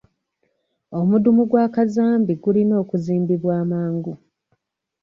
Omudumu gwa kazambi gulina okuzimbibwa amangu.